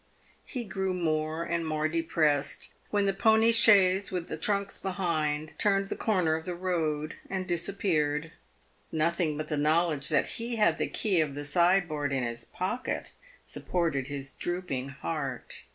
He grew more and more depressed when the pony chaise, with the trunks behind, turned the corner of the road and disappeared. Nothing but the knowledge that he had the key of the sideboard in his pocket supported his drooping heart.